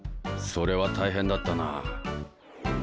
それは大変だったな。